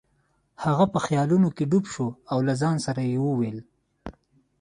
هغه په خیالونو کې ډوب شو او له ځان سره یې وویل.